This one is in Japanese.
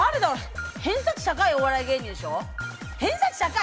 偏差値高いお笑い芸人でしょ？